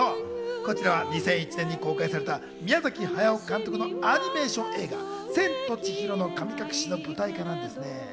こちらは２００１年に公開された宮崎駿監督のアニメーション映画、『千と千尋の神隠し』の舞台化なんですね。